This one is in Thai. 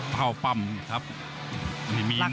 เผ่าปำแบบนี้ครับ